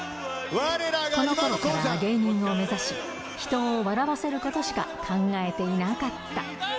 このころから芸人を目指し、人を笑わせることしか考えていなかった。